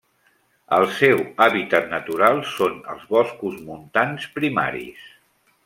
El seu hàbitat natural són els boscos montans primaris.